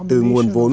từ nguồn vốn